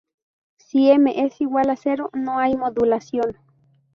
Si m es igual a cero, no hay modulación.